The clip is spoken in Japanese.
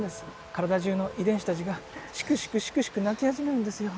体じゅうの遺伝子たちがシクシクシクシク泣き始めるんですよ。